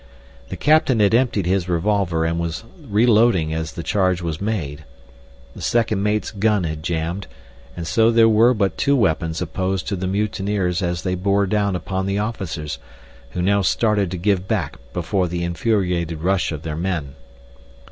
The captain had emptied his revolver and was reloading as the charge was made. The second mate's gun had jammed, and so there were but two weapons opposed to the mutineers as they bore down upon the officers, who now started to give back before the infuriated rush of their men.